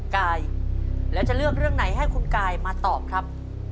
กายแล้วจะเลือกเรื่องไหนให้คุณกายมาตอบครับ